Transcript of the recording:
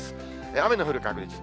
雨の降る確率。